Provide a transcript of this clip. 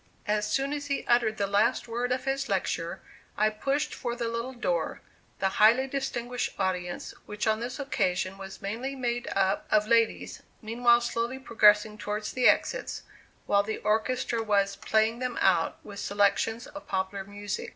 As soon as he uttered the last word of his lecture, I pushed for the little door, the highly distinguished audience, which on this occasion was mainly made up of ladies, meanwhile slowly progressing towards the exits, while the orchestra was "playing them out" with selections of popular music.